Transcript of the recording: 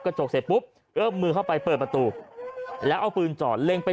กระจกเสร็จปุ๊บเอื้อมมือเข้าไปเปิดประตูแล้วเอาปืนจอดเล็งไป